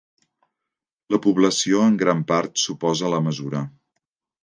La població en gran part s'oposa a la mesura.